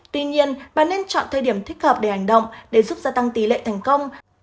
tuy nhiên bà nên chọn thời điểm thích hợp để hành động để giúp gia tăng tỷ lệ thành công